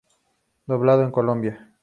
Doblado en Colombia.